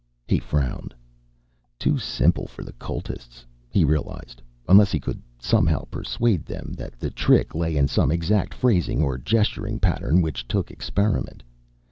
He frowned. Too simple for the cultists, he realized unless he could somehow persuade them that the trick lay in some exact phrasing or gesturing pattern which took experiment.